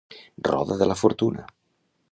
Roda de la fortuna.